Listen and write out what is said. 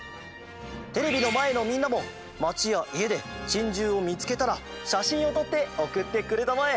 テレビのまえのみんなもまちやいえでチンジューをみつけたらしゃしんをとっておくってくれたまえ！